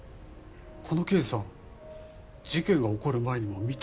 この刑事さん事件が起こる前にも見たような気が。